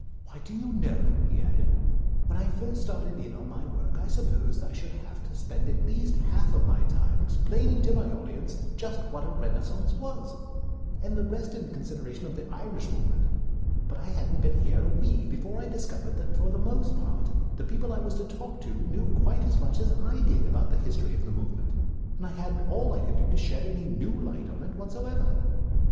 Why, do you know," he added, "when I first started in on my work I supposed that I should have to spend at least half of my time explaining to my audiences just what a Renaissance was, and the rest in consideration of the Irish movement; but I hadn't been here a week before I discovered that for the most part the people I was to talk to knew quite as much as I did about the history of the movement, and I had all I could do to shed any new light on it whatsoever."